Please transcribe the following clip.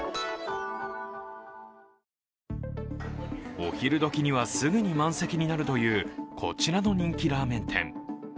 お昼時にはすぐに満席になるというこちらのラーメン店。